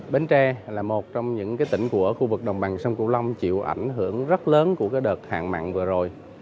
bến tre là một trong những tỉnh của khu vực đồng bằng sông cửu long chịu ảnh hưởng rất lớn của đợt hạn mặn vừa rồi